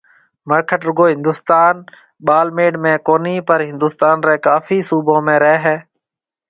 مڙکٽ رُگو هندوستان ٻاݪميڙ ۾ ڪونِي پر هندوستان ري ڪاڦي صُوبَي رهيَ هيَ